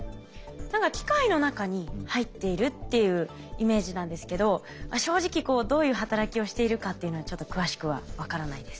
何か機械の中に入っているっていうイメージなんですけど正直どういう働きをしているかっていうのはちょっと詳しくは分からないです。